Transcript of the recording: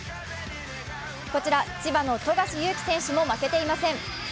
こちら千葉の富樫勇樹選手も負けていません。